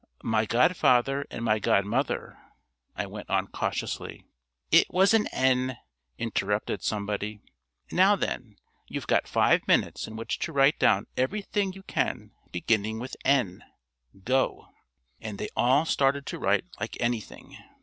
"My godfather and my godmother," I went on cautiously "It was N," interrupted somebody. "Now then, you've got five minutes in which to write down everything you can beginning with N. Go." And they all started to write like anything.